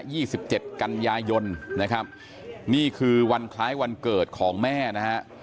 สิบเจ็ดกันยายนนะครับนี่คือวันคล้ายวันเกิดของแม่นะฮะ